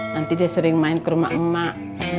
nanti dia sering main ke rumah emak emak